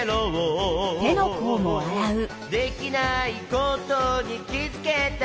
「できないことにきづけたら！」